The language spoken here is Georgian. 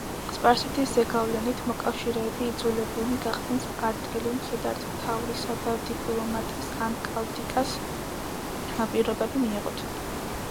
სპარსეთის ზეგავლენით მოკავშირეები იძულებულნი გახდნენ სპარტელი მხედართმთავრისა და დიპლომატის ანტალკიდას პირობები მიეღოთ.